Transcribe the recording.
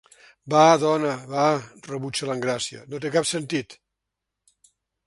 Va, dona, va –rebutja l'Engràcia–, no té cap sentit.